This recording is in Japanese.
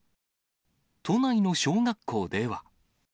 都内の小学校では。